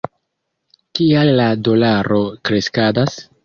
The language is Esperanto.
Kial la dolaro kreskadas?